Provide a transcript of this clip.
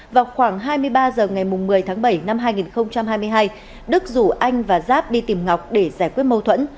vào khoảng hai mươi ba h ngày một mươi tháng bảy năm hai nghìn hai mươi hai đức rủ anh và giáp đi tìm ngọc để giải quyết mâu thuẫn